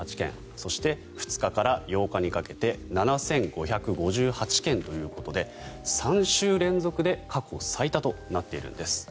そして２日から８日にかけて７５５８件ということで３週連続で過去最多となっているんです。